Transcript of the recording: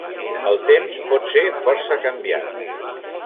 El temps pot ser força canviant.